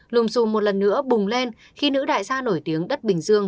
lùm xùm một lần nữa bùng lên khi nữ đại gia nổi tiếng đất bình dương